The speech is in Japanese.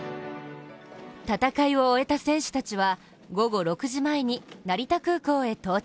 戦いを終えた選手たちは午後６時前に成田空港へ到着。